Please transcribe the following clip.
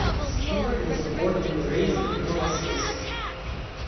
Stewart was born and raised in Nova Scotia.